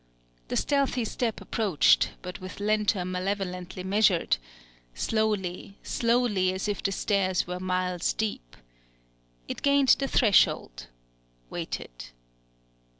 The stealthy Step approached, but with lentor malevolently measured, slowly, slowly, as if the stairs were miles deep. It gained the threshold, waited.